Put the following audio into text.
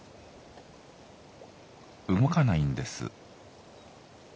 動かないんです。